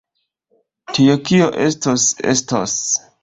Tio, kio estos, estos.